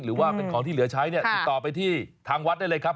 หรือว่าเป็นของที่เหลือใช้เนี่ยติดต่อไปที่ทางวัดได้เลยครับ